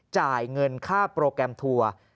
จ่ายเงินค่าโปรแกรมทัวร์